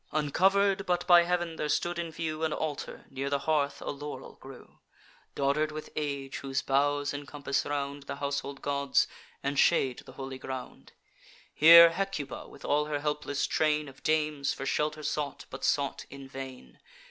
Uncover'd but by heav'n, there stood in view An altar; near the hearth a laurel grew, Dodder'd with age, whose boughs encompass round The household gods, and shade the holy ground. Here Hecuba, with all her helpless train Of dames, for shelter sought, but sought in vain.